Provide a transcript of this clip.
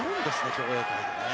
競泳界で。